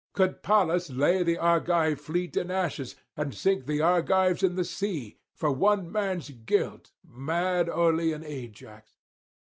Could Pallas lay the Argive fleet in ashes, and sink the Argives in the sea, for one man's guilt, mad Oïlean Ajax?